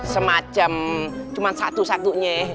semacam cuma satu satunya